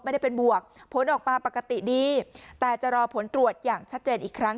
ไม่ได้เป็นบวกผลออกมาปกติดีแต่จะรอผลตรวจอย่างชัดเจนอีกครั้ง